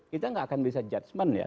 kita nggak akan bisa judgement ya